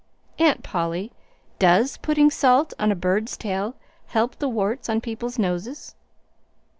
Aunt Polly, DOES putting salt on a bird's tail help the warts on people's noses?"